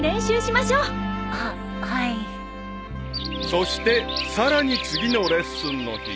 ［そしてさらに次のレッスンの日］